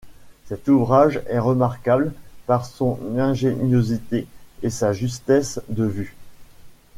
Cet ouvrage est remarquable par son ingéniosité et sa justesse de vues.